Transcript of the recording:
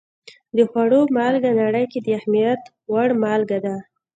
د خوړو مالګه نړۍ کې د اهمیت وړ مالګه ده.